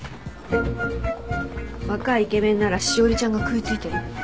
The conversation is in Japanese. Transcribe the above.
若いイケメンなら志生里ちゃんが食いついてる。